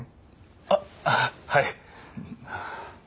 あっはい。